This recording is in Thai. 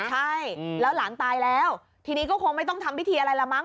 ใช่แล้วหลานตายแล้วทีนี้ก็คงไม่ต้องทำพิธีอะไรละมั